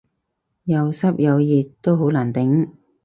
又濕又熱都好難頂